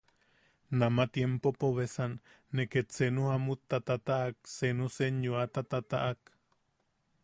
Nama tiempopo beasan ne ket senu jamutta ne tataʼak, senu senyoata tataʼak.